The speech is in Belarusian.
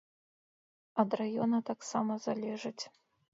Ад раёна таксама залежыць.